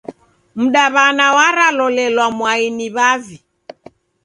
Mdaw'ana waralolelwa mwai ni w'avi.